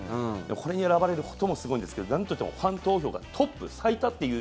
これに選ばれることもすごいんですけどなんといってもファン投票がトップ、最多っていう。